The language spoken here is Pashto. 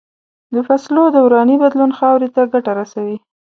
د فصلو دوراني بدلون خاورې ته ګټه رسوي.